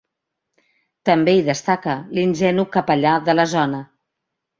També hi destaca l'ingenu capellà de la zona.